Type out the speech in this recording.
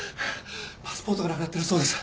パスポートがなくなってるそうです